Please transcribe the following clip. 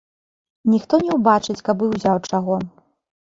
Ніхто не ўбачыць, каб і ўзяў чаго.